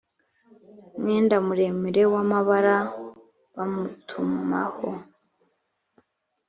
mwenda muremure w amabara bamutumaho